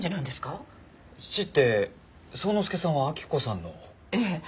父って宗之助さんは明子さんの？ええ。